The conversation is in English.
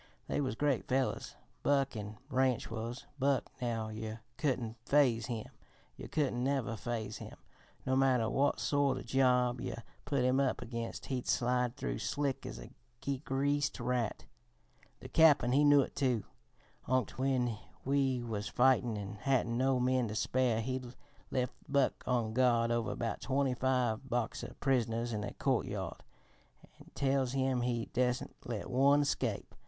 They was great fellers, Buck an' Ranch was. Buck, now yer couldn't phase him, yer couldn't never phase him, no matter what sort o' job yer put him up against he'd slide through slick as a greased rat. The Cap'n, he knew it, too. Onct when we was fightin' an' hadn't no men to spare, he lef' Buck on guard over about twenty five Boxer prisoners in a courtyard an' tells him he dassent let one escape.